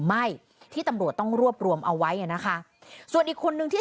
ไม่ที่ตำรวจต้องรวบรวมเอาไว้อ่ะนะคะส่วนอีกคนนึงที่